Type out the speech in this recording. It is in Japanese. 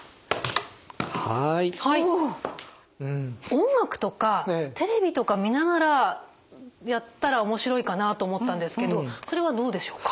音楽とかテレビとか見ながらやったら面白いかなと思ったんですけどそれはどうでしょうか。